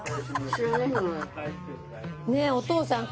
ねぇお父さん